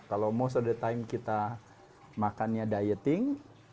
kalau most of the time kita makannya dieting